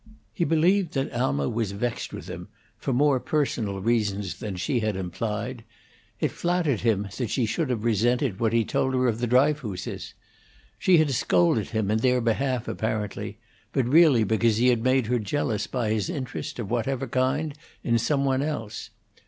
He believed that Alma was vexed with him for more personal reasons than she had implied; it flattered him that she should have resented what he told her of the Dryfooses. She had scolded him in their behalf apparently; but really because he had made her jealous by his interest, of whatever kind, in some one else.